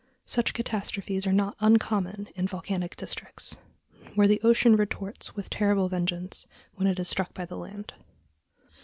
Such catastrophes are not uncommon in volcanic districts, where the ocean retorts with terrible vengeance when it is struck by the land.